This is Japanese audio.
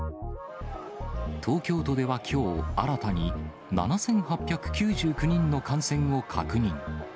東京都ではきょう新たに７８９９人の感染を確認。